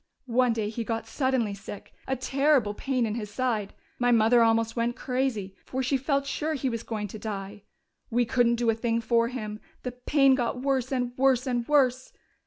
"One day he got suddenly sick. A terrible pain in his side. My mother almost went crazy, for she felt sure he was going to die. We couldn't do a thing for him; the pain got worse and worse and worse.